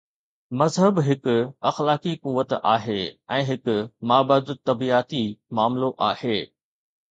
مذهب هڪ اخلاقي قوت آهي ۽ هڪ مابعد الطبعياتي معاملو آهي.